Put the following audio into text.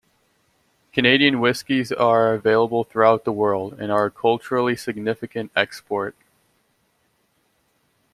Canadian whiskies are available throughout the world and are a culturally significant export.